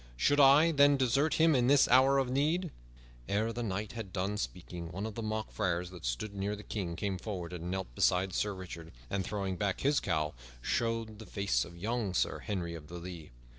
Should I, then, desert him in his hour of need?" Ere the knight had done speaking, one of the mock friars that stood near the King came forward and knelt beside Sir Richard, and throwing back his cowl showed the face of young Sir Henry of the Lea.